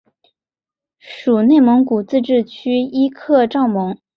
属内蒙古自治区伊克昭盟。